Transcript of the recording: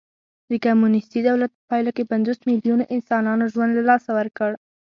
د کمونېستي دولت په پایله کې پنځوس میلیونو انسانانو ژوند له لاسه ورکړ